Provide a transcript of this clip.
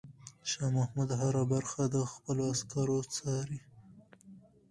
شاه محمود هره برخه د خپلو عسکرو څاري.